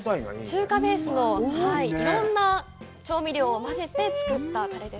中華ベースのいろんな調味料を混ぜて作ったタレです。